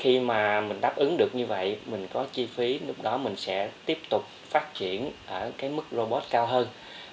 khi mà mình đáp ứng được như vậy mình có chi phí lúc đó mình sẽ tiếp tục phát triển ở cái mức robot cao hơn